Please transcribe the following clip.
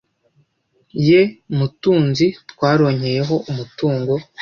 ye mutunzi twaronkeyeho umutungo,